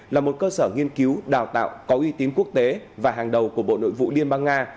là một cơ sở nghiên cứu đào tạo có uy tín quốc tế và hàng đầu của bộ nội vụ liên bang nga